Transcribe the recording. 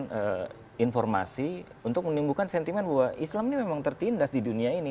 memberikan informasi untuk menimbulkan sentimen bahwa islam ini memang tertindas di dunia ini